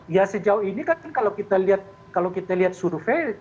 ya sejauh ini kan kalau kita lihat survei